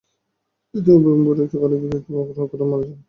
পিতা এই বৈরিতা খালিদের দায়িত্বে অর্পণ করে মারা যায়।